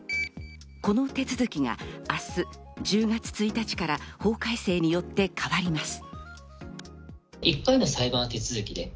この手続きが明日１０月１日から法改正によって変わります。